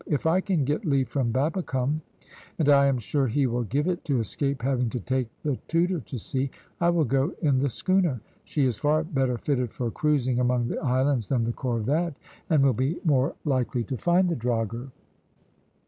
"If I can get leave from Babbicome, and I am sure he will give it to escape having to take the Tudor to sea, I will go in the schooner. She is far better fitted for cruising among the islands than the corvette, and will be more likely to find the drogher."